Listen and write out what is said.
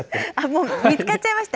もう、見つかっちゃいました？